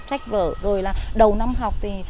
sách vở rồi là đầu năm học thì